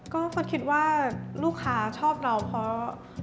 ก็ฟอสคิดว่าลูกค้าชอบเราเพราะ